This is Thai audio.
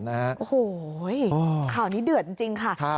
โอ้โหข่าวนี้เดือดจริงค่ะ